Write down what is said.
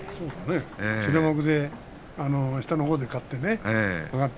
平幕の下のほうで勝ってね